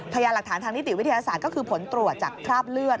พยายามหลักฐานทางนิติวิทยาศาสตร์ก็คือผลตรวจจากคราบเลือด